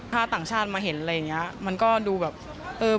ถ้าต่างชาติมาเห็นอะไรอย่างเงี้ยมันก็ดูแบบเออ